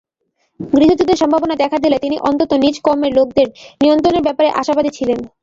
গৃহযুদ্ধের সম্ভাবনা দেখা দিলে তিনি অন্তত নিজ কওমের লোকদের নিয়ন্ত্রণের ব্যাপারে আশাবাদী ছিলেন।